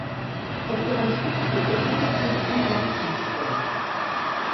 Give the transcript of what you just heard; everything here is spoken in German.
Auf ihrer Spitze befindet sich ein Gartenzwerg.